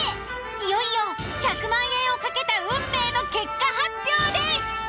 いよいよ１００万円を懸けた運命の結果発表です！